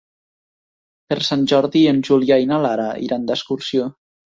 Per Sant Jordi en Julià i na Lara iran d'excursió.